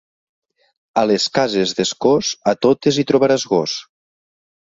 A les cases d'Escós, a totes hi trobaràs gos.